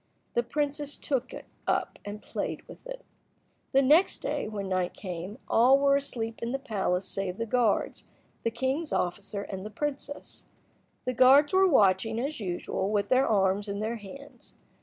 The princess took it up and played with it. The next day, when night came on, all were asleep in the palace save the guards, the king's officer, and the princess. The guards were watching, as usual, with their arms in their hands.